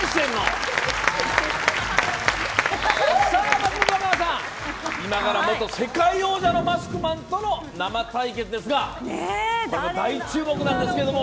松本若菜さん、今から世界王者のマスクマンとの対決ですが、大注目なんですけれども。